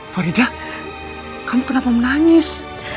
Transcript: faridah kamu kenapa menangis